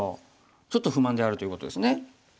ちょっと不満であるということですね。